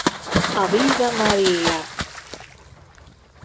A Viva Maria!